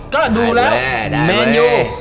ก็ดูแล้วแมนยู